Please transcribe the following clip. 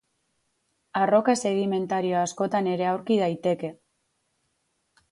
Arroka sedimentario askotan ere aurki daiteke.